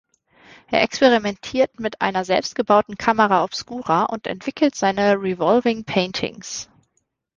Er experimentiert mit einer selbstgebauten Camera Obscura und entwickelt seine Revolving Paintings.